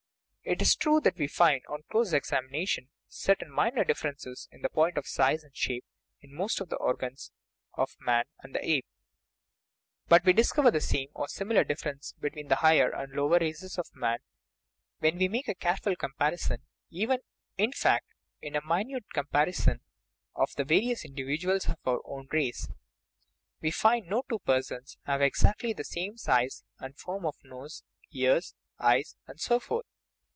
It is true that we find, on close examination, certain minor differences in point of size and shape in most of the organs of man and the ape ; but we discover the * Translated in the International Science Series, 1872. 37 THE RIDDLE OF THE UNIVERSE same, or similar, differences between the higher and lower races of men, when we make a careful compari son even, in fact, in a minute comparison of the va rious individuals of our own race. We find no two per sons who have exactly the same size and form of nose, ears, eyes, and so forth.